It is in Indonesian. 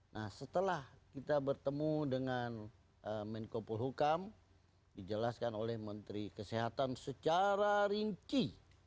nah setelah kita bertemu dengan menko polhukam dijelaskan oleh menteri kesehatan secara rinci